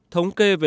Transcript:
thống kê về